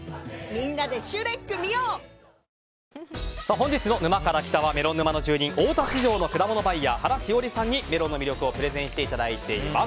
本日の「沼から来た。」はメロン沼の住人大田市場の果物バイヤー原詩織さんにメロンの魅力をプレゼンしていただいています。